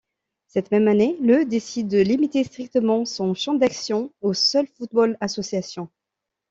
Cette même année, le décide de limiter strictement son champ d'action au seul football-association.